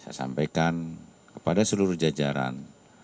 saya sampaikan kepada seluruh jajaran